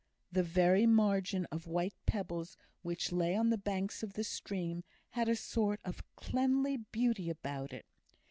The very margin of white pebbles which lay on the banks of the stream had a sort of cleanly beauty about it.